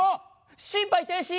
心肺停止！